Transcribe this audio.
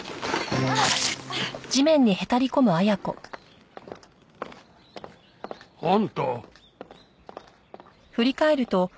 あっ。あんた。